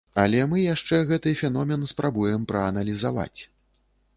Але мы яшчэ гэты феномен спрабуем прааналізаваць.